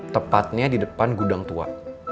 tepatnya di depan gudang tua